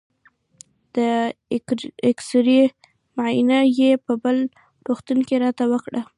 د اېکسرې معاینه یې په بل روغتون کې راته وکړه.